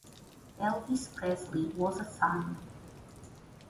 Elvis Presley was a fan.